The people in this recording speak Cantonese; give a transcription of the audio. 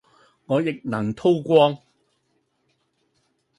我亦能叨光